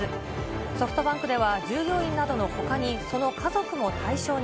ソフトバンクでは、従業員などのほかにその家族も対象に。